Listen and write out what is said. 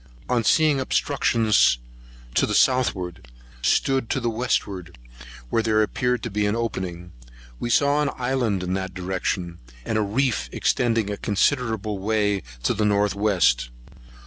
On seeing obstruction to the southward, stood to the westward, where there appeared to be an opening. We saw an island in that direction, and a reef extending a considerable way to the north west.